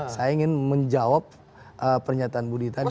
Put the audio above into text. saya ingin menjawab pernyataan budi tadi